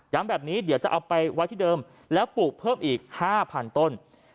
แบบนี้เดี๋ยวจะเอาไปไว้ที่เดิมแล้วปลูกเพิ่มอีก๕๐๐๐ต้น